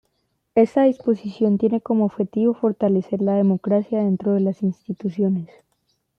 Esta disposición tiene como objetivo fortalecer la democracia dentro de las instituciones.